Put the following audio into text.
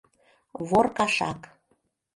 Вор кашак.